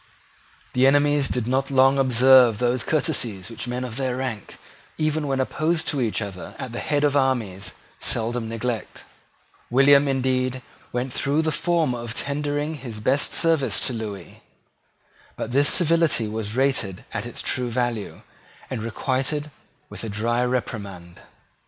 The enemies did not long observe those courtesies which men of their rank, even when opposed to each other at the head of armies, seldom neglect. William, indeed, went through the form of tendering his best services to Lewis. But this civility was rated at its true value, and requited with a dry reprimand.